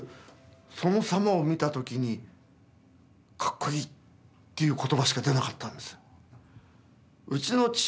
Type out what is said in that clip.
そのさまを見た時にかっこいいっていう言葉しか出なかったんです。